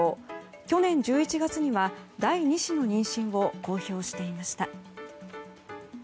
去年１１月には、第２子の妊娠を公表していました。